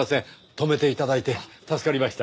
泊めて頂いて助かりました。